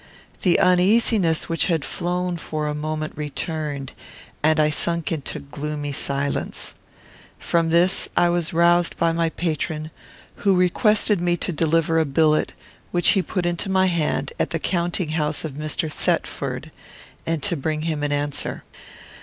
The uneasiness which had flown for a moment returned, and I sunk into gloomy silence. From this I was roused by my patron, who requested me to deliver a billet, which he put into my hand, at the counting house of Mr. Thetford, and to bring him an answer.